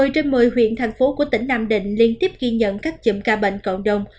một mươi trên một mươi huyện thành phố của tỉnh nam định liên tiếp ghi nhận các chùm ca bệnh cộng đồng